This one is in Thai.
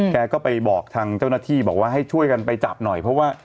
แกก็ไปบอกทางเจ้าหน้าที่บอกว่าให้ช่วยกันไปจับหน่อยเพราะว่า